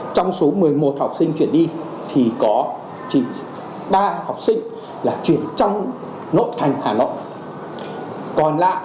trong số một mươi một học sinh truyền đi thì có ba học sinh là truyền trong nội thành hà nội